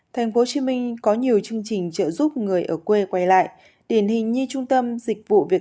tp hcm có nhiều chương trình trợ giúp người ở quê quay lại điển hình như trung tâm dịch vụ việc